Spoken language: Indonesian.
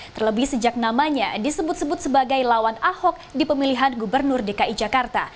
terlebih sejak namanya disebut sebut sebagai lawan ahok di pemilihan gubernur dki jakarta